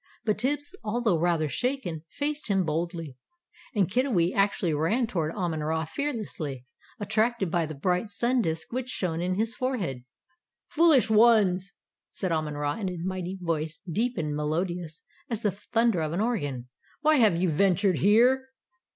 But Tibbs, although rather shaken, faced him boldly. And Kiddiwee actually ran toward Amon Ra fearlessly, attracted by the bright sun disk which shone in his forehead. "Foolish ones!" said Amon Ra in a mighty voice, deep and melodious as the thunder of an organ. "Why have you ventured here?